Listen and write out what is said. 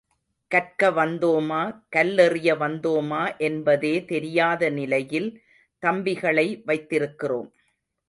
கற்க வந்தோமா, கல்லெறிய வந்தோமா என்பதே தெரியாத நிலையில் தம்பிகளை வைத்திருக்கிறோம்.